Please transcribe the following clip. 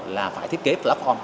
là phải thiết kế platform